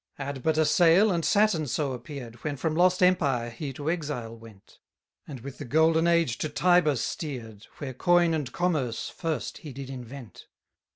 158 Add but a sail, and Saturn so appear'd, When from lost empire he to exile went, And with the golden age to Tiber steer'd, Where coin and commerce first he did invent.